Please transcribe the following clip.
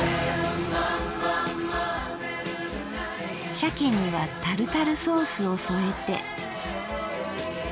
鮭にはタルタルソースを添えて。